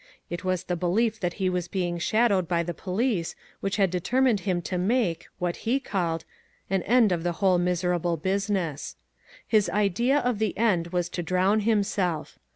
It was the belief that he was being shadowed by the police, which had determined him to make, what he called, an end of the whole miserable business. His idea of the end was to drown himself.